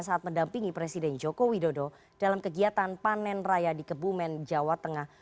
saat mendampingi presiden joko widodo dalam kegiatan panen raya di kebumen jawa tengah